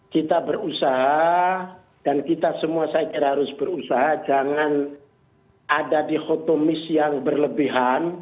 kita berusaha dan kita semua saya kira harus berusaha jangan ada di hotomis yang berlebihan